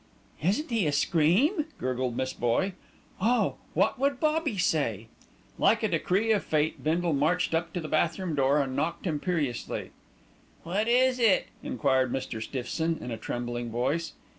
"Isn't he a scream!" gurgled Miss Boye. "Oh, what would Bobbie say?" Like a decree of fate Bindle marched up to the bathroom door and knocked imperiously. "What is it?" inquired Mr. Stiffson in a trembling voice.